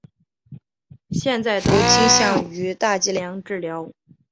现在都倾向于大剂量治疗。